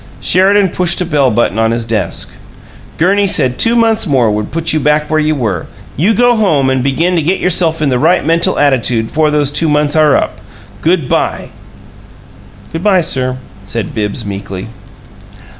Sheridan pushed a bell button on his desk. "Gurney said two months more would put you back where you were. You go home and begin to get yourself in the right 'mental attitude' before those two months are up! Good by!" "Good by, sir," said Bibbs, meekly.